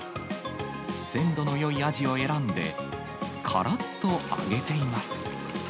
鮮度のよいアジを選んで、からっと揚げています。